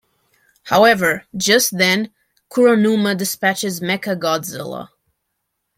However, just then, Kuronuma dispatches MechaGodzilla.